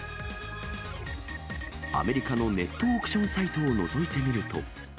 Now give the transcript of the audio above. アメリカのネットオークションサイトをのぞいてみると。